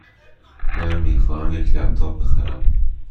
من می خواهم یک لپ تاپ بخرم.